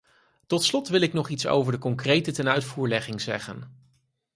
Tot slot wil ik nog iets over de concrete tenuitvoerlegging zeggen.